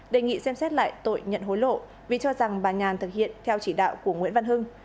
đề nghị xem xét lại tội nhận hối lộ vì cho rằng bà nhàn thực hiện theo chỉ đạo của nguyễn văn hưng